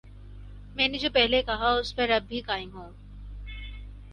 میں نے جو پہلے کہا ،اس پر اب بھی قائم ہوں